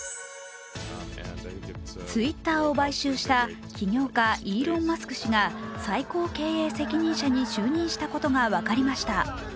ツイッターを買収した起業家、イーロン・マスク氏が最高経営責任者に就任したことが分かりました。